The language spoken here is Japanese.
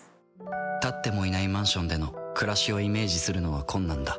建ってもいないマンションでの暮らしをイメージするのは困難だ